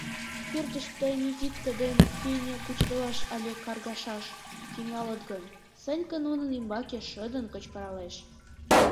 Пӧртыштӧ Никитка ден Феня кучедалаш але каргашаш тӱҥалыт гын, Санька нунын ӱмбаке шыдын кычкыралеш: